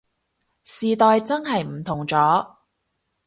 時代真係唔同咗